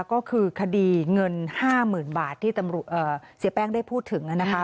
ก็คือคดีเงิน๕๐๐๐บาทที่ตำรวจเสียแป้งได้พูดถึงนะคะ